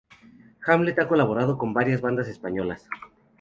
Hamlet ha colaborado con varias bandas españolas.